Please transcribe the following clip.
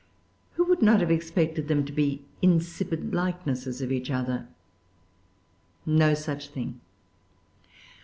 Who would not have expected them to be insipid likenesses of each other? No such thing.